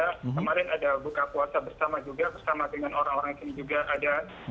kemarin ada buka puasa bersama juga bersama dengan orang orang sini juga ada